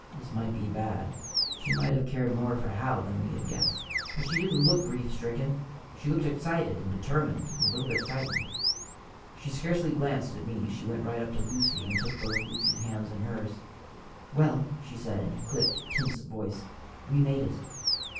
This might be bad. She might have cared more for Hal than we had guessed. But she didn't look grief stricken. She looked excited, and determined, and a little bit frightened. She scarcely glanced at me. She went right up to Lucy and took both Lucy's hands in hers. "Well," she said in a clipped, tense voice, "we made it."